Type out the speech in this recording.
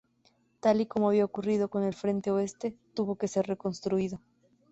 Tal y como había ocurrido con el Frente Oeste, tuvo que ser reconstruido.